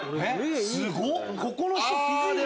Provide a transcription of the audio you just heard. すごっ！